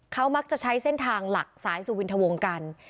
เขามักจะใช้เส้นทางหลักสายสุวินทวงกัน